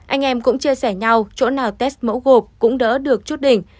anh em cũng chia sẻ nhau chỗ nào test mẫu gộp cũng đỡ được chút đỉnh